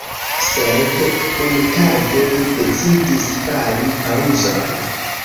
Sed unutage, ri decidis fari paŭzon.